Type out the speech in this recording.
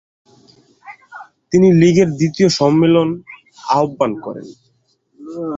তিনি লীগের দ্বিতীয় সম্মেলন আহ্বান করেন।